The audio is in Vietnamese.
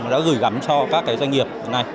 đã gửi gắm cho các doanh nghiệp